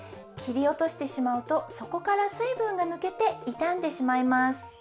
きりおとしてしまうとそこからすいぶんがぬけていたんでしまいます。